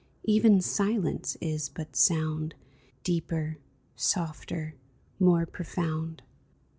Even silence is but sound. Deeper, softer, more profound